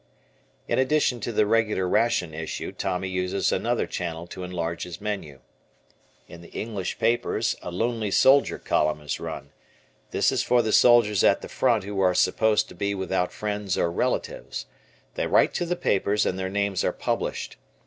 In addition to the regular ration issue Tommy uses another channel to enlarge his menu. In the English papers a "Lonely Soldier" column is run. This is for the soldiers at the front who are supposed to be without friends or relatives. They write to the papers and their names are published.